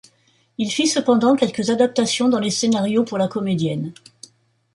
Il fit cependant quelques adaptations dans le scénario pour la comédienne.